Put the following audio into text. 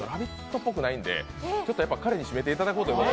っぽくないんで、彼に締めていただこうと思います。